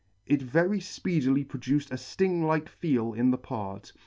It very fpeedily produced a fting like feel in the part.